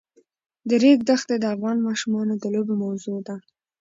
د ریګ دښتې د افغان ماشومانو د لوبو موضوع ده.